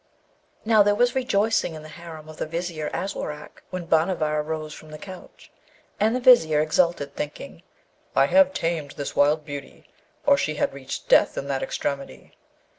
Now, there was rejoicing in the harem of the Vizier Aswarak when Bhanavar arose from the couch; and the Vizier exulted, thinking, 'I have tamed this wild beauty, or she had reached death in that extremity.'